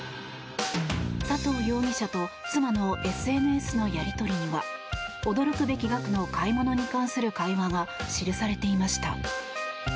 佐藤容疑者と妻のＳＮＳのやり取りには驚くべき額の買い物に関する会話が記されていました。